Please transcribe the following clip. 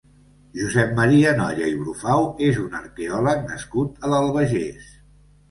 Josep Maria Nolla i Brufau és un arqueòleg nascut a l'Albagés.